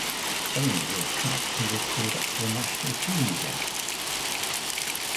Following the World Cup, he was called up for the national team again.